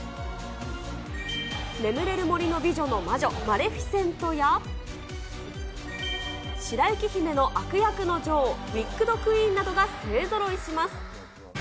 眠れる森の美女の魔女、マレフィセントや、白雪姫の悪役の女王、ウィックド・クイーンなどが勢ぞろいします。